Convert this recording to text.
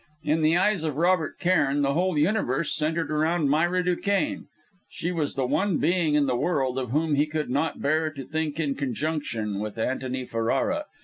In the eyes of Robert Cairn, the whole universe centred around Myra Duquesne; she was the one being in the world of whom he could not bear to think in conjunction with Antony Ferrara.